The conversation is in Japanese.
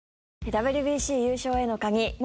ＷＢＣ優勝への鍵元